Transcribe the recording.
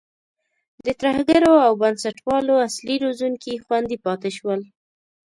د ترهګرو او بنسټپالو اصلي روزونکي خوندي پاتې شول.